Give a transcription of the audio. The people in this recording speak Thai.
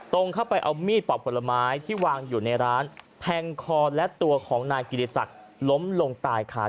ตรงเข้าไปเอามีดปอกผลไม้ที่วางอยู่ในร้านแทงคอและตัวของนายกิติศักดิ์ล้มลงตายค่ะ